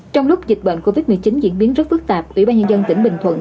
trong lúc dịch bệnh covid một mươi chín diễn biến rất phức tạp ủy ban nhân dân tỉnh bình thuận